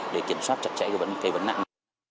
để kiểm soát chặt chẽ cây vấn nặng